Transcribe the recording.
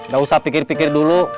gak usah pikir pikir dulu